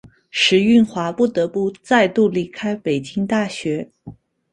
石蕴华不得不再度离开北京大学。